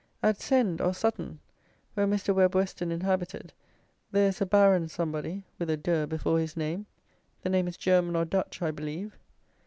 At Send, or Sutton, where Mr. Webb Weston inhabited, there is a Baron somebody, with a De before his name. The name is German or Dutch, I believe.